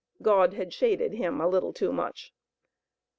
God had shaded him a little too much.